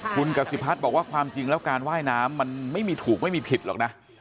คุณกสิพัฒน์บอกว่าความจริงแล้วการว่ายน้ำมันไม่มีถูกไม่มีผิดหรอกนะ